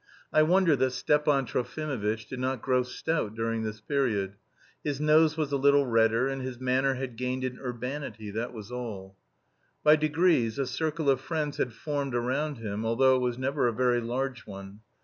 I wonder that Stepan Trofimovitch did not grow stout during this period. His nose was a little redder, and his manner had gained in urbanity, that was all. By degrees a circle of friends had formed around him, although it was never a very large one.